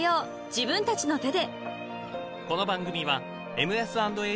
自分たちの手で］